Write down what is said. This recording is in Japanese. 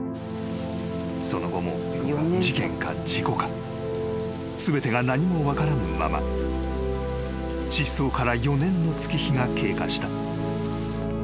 ［その後も事件か事故か全てが何も分からぬまま失踪から４年の月日が経過した］